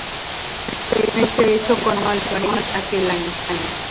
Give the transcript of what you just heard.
Este hecho conmocionó al país aquel año.